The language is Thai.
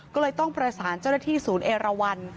ก็เลยต้องประสานเจ้าหน้าที่ศูนย์เอราวัน